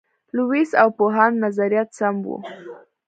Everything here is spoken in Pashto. لویس او پوهانو نظریات سم وو.